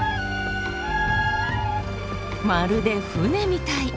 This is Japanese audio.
まるで舟みたい。